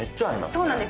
そうなんです。